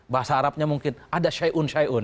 bahasa arabnya mungkin ada syai'un syai'un